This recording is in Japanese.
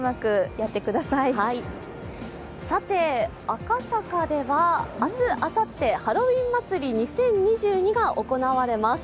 赤坂では、明日、あさってハロウィン祭り２０２２が行われます。